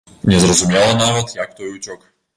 Незразумела нават, як той уцёк.